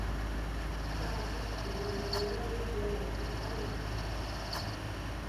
Caso, porventura, a energia elétrica falhar